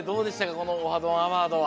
この「オハ！どんアワード」は。